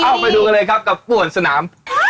เอาไปดูกันเลยครับกับป่วนสนาม